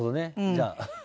じゃあ。